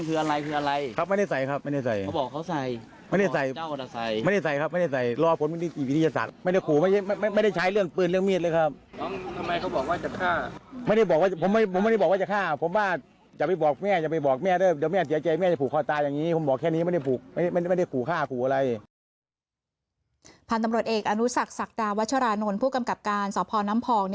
พันธุ์ตำรวจเอกอนุสักศักดาวัชรานนท์ผู้กำกับการสพน้ำพอง